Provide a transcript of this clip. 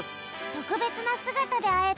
とくべつなすがたであえたね。